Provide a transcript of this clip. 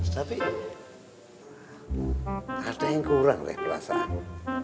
tapi ada yang kurang dari perasaanmu